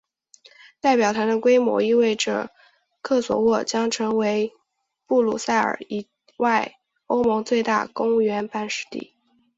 代表团的规模意味着科索沃将成为布鲁塞尔以外欧盟最大的公务员办事地。